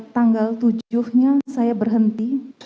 tanggal tujuh nya saya berhenti